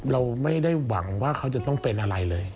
เราไม่ได้หวังว่าเขาจะต้องเป็นอะไรเลย